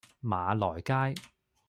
馬來街